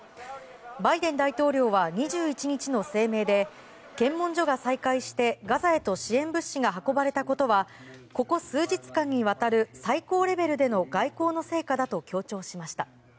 バイデン大統領は２１日の声明で検問所が再開して、ガザへと支援物資が運ばれたことはここ数日間にわたる最高レベルでの外交の成果だと強調しました。